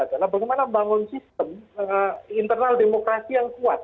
karena bagaimana membangun sistem internial demokrasi yang kuat